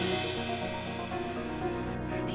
dan semuanya akan baik baik aja